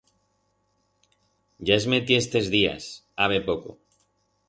Ya es metié estes días, habe poco.